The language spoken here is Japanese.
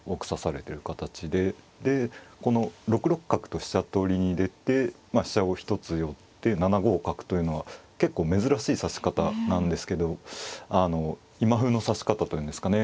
でこの６六角と飛車取りに出て飛車を一つ寄って７五角というのは結構珍しい指し方なんですけど今風の指し方というんですかね